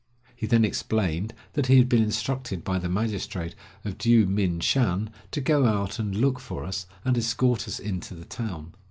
He then explained that he had been instructed by the magistrate of Dyou min shan to go out and look for us, and escort us into the town.